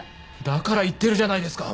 だから言ってるじゃないですか